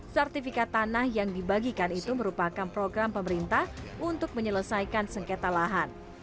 sertifikat tanah yang dibagikan itu merupakan program pemerintah untuk menyelesaikan sengketa lahan